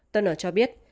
thuner cho biết